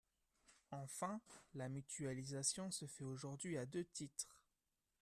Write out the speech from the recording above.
Enfin, la mutualisation se fait aujourd’hui à deux titres.